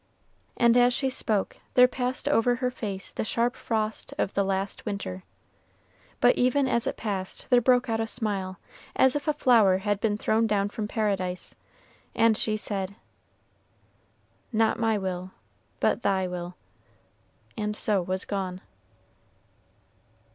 And as she spoke, there passed over her face the sharp frost of the last winter; but even as it passed there broke out a smile, as if a flower had been thrown down from Paradise, and she said, "Not my will, but thy will," and so was gone.